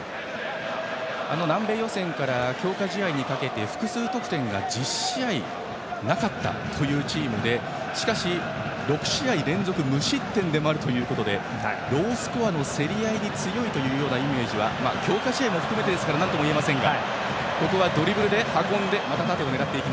南米予選から強化試合にかけて複数得点が１０試合なかったというチームでしかし、６試合連続無失点でもあるということでロースコアの競り合いに強いというイメージは強化試合も含めてですから何とも言えませんが。